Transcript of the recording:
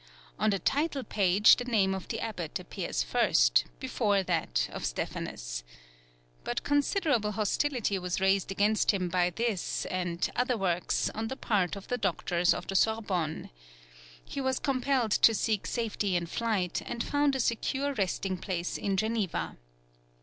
On the title page the name of the Abbot appears first, before that of Stephanus. But considerable hostility was raised against him by this and other works on the part of the doctors of the Sorbonne. He was compelled to seek safety in flight, and found a secure resting place in Geneva.